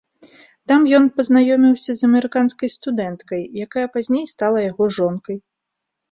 Там ён пазнаёміўся з амерыканскай студэнткай, якая пазней стала яго жонкай.